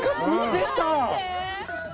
出た！